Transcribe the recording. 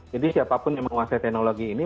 jadi siapapun yang menguasai teknologi ini